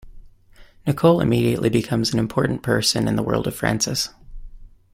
Nicole immediately becomes an important person in the world of Francis.